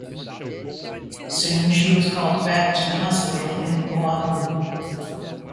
Soon, she was called back to the hospital in Oahu.